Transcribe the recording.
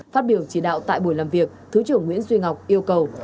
phát biểu chỉ đạo tại buổi làm việc thứ trưởng nguyễn duy ngọc yêu cầu